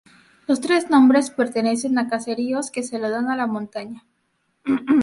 Los tres nombres pertenecen a caseríos que se lo dan a la montaña.